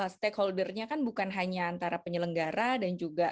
stakeholder nya kan bukan hanya antara penyelenggara dan juga